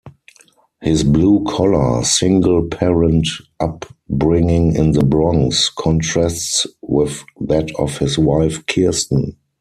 His blue-collar, single-parent upbringing in The Bronx contrasts with that of his wife Kirsten.